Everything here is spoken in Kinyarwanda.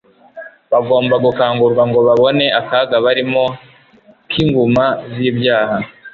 bagomba gukangurwa ngo babone akaga barimo k'inguma z'ibyaha